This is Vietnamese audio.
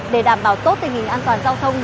để đảm bảo tốt tình hình an toàn giao thông